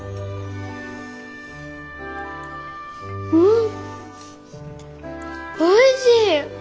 んおいしい！